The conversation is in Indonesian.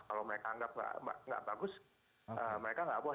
kalau mereka anggap nggak bagus mereka nggak bos